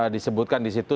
disebutkan di situ